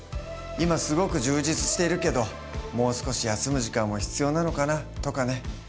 今すごく充実しているけどもう少し休む時間も必要なのかな？とかね。